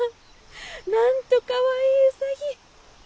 なんとかわいいうさぎ。